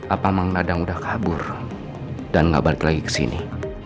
apa mang dadang udah kabur dan gak balik lagi kesini